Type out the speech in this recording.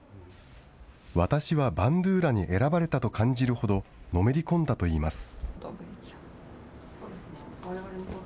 私はバンドゥーラに選ばれたと感じるほど、のめり込んだといいます。